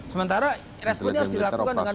sementara responnya harus dilakukan dengan